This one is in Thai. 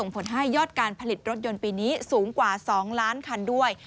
ผลให้ยอดการผลิตรถยนต์ปีนี้สูงกว่า๒ล้านคันด้วย